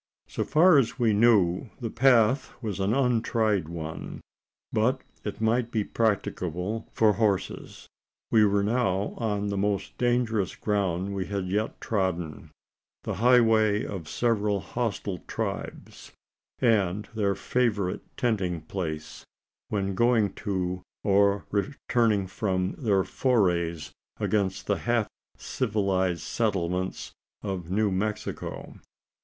So far as we knew, the path was an untried one; but it might be practicable for horses. We were now on the most dangerous ground we had yet trodden the highway of several hostile tribes, and their favourite tenting place, when going to, or returning from, their forays against the half civilised settlements of New Mexico.